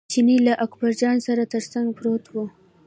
چیني له اکبرجان سره تر څنګ پروت و.